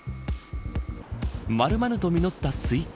丸々と実ったスイカ。